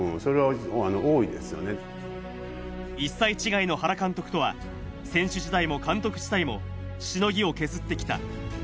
１歳違いの原監督とは選手時代も監督時代も、しのぎを削ってきた。